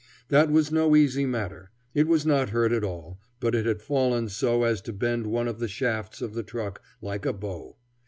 That was no easy matter. It was not hurt at all, but it had fallen so as to bend one of the shafts of the truck like a bow.